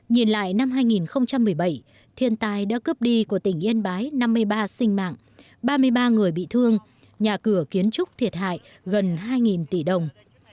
nhìn lại năm hai nghìn một mươi bảy thiên tai đã cướp đi của tỉnh yên bái năm mươi ba sinh mạng ba mươi ba người bị thương nhà cửa kiến trúc thiệt hại gần hai tỷ đồng